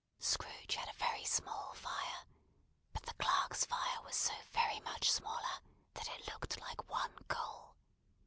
Scrooge had a very small fire, but the clerk's fire was so very much smaller that it looked like one coal.